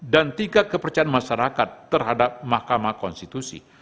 dan tiga kepercayaan masyarakat terhadap mahkamah konstitusi